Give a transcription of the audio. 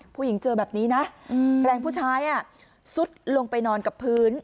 ผู้หญิงเจอแบบนี้นะแรงผู้ชายซุดลงไปนอนกับพื้น